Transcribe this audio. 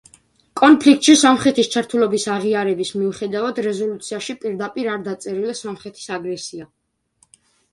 კონფლიქტში სომხეთის ჩართულობის აღიარების მიუხედავად, რეზოლუციაში პირდაპირ არ დაწერილა სომხეთის აგრესია.